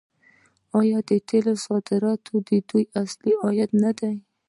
آیا د تیلو صادرات د دوی اصلي عاید نه دی؟